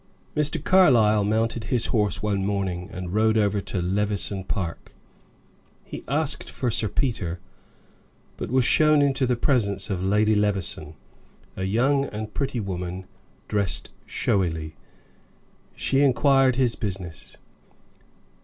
Mr. Carlyle mounted his horse one morning and rode over to Levison Park. He asked for Sir Peter, but was shown into the presence of Lady Levison a young and pretty woman dressed showily. She inquired his business.